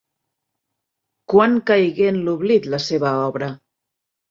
Quan caigué en l'oblit la seva obra?